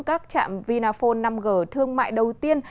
các trạm vinaphone năm g thương mại đầu tiên